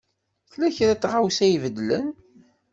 Tella kra n tɣawsa i ibeddlen?